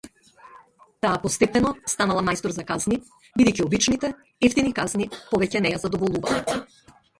Таа постепено станала мајстор за казни, бидејќи обичните, евтините казни повеќе на ја задоволувале.